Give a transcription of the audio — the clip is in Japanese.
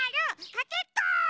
かけっこ！